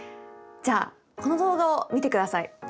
じゃあこの動画を見てください。